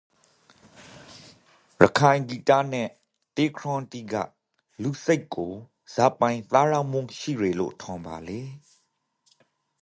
ရခိုင်ဂီတနန့်တေးခြင်းတိကလူ့စိတ်ကိုဇာပိုင်သက်ရောက်မှုဟိရေလို့ထင်ပါလေ။